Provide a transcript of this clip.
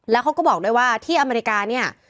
แล้วเขาก็บอกด้วยว่าที่อเมริกาเนี่ย